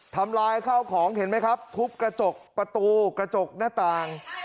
ทำลายข้าวของเห็นไหมครับทุบกระจกประตูกระจกหน้าต่าง